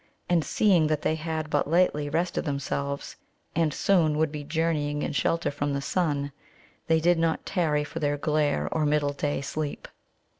And, seeing that they had but lately rested themselves, and soon would be journeying in shelter from the sun, they did not tarry for their "glare," or middle day sleep.